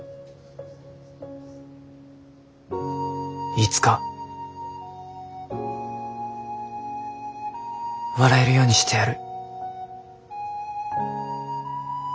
いつか笑えるようにしてやる。